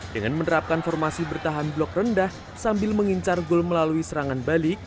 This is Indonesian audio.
dengan menerapkan formasi bertahan blok rendah sambil mengincar gol melalui serangan balik